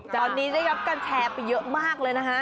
ตอนนี้ได้รับการแชร์ไปเยอะมากเลยนะฮะ